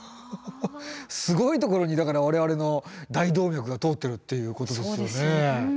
すごいところにだから我々の大動脈が通ってるっていうことですよね。